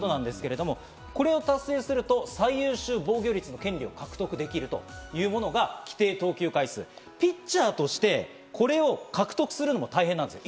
これを達成すると最優秀防御率を獲得できるということが規定投球回数、ピッチャーとしてこれを獲得するのは大変なんです。